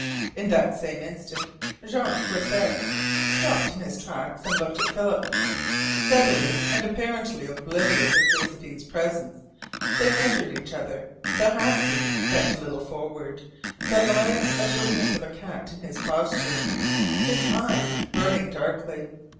In that same instant Jean Croisset stopped in his tracks and looked at Philip. Steadily, and apparently oblivious of Josephine's presence, they measured each other, the half breed bent a little forward, the lithe alertness of a cat in his posture, his eyes burning darkly.